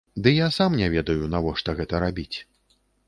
Ды я сам не ведаю, навошта гэта рабіць.